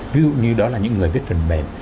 ví dụ như đó là những người viết phần mềm